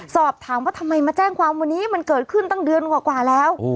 สอบถามว่าทำไมมาแจ้งความวันนี้มันเกิดขึ้นตั้งเดือนกว่าแล้ว